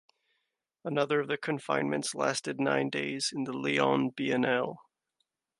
Another of the confinements lasted nine days in the Lyon Biennale.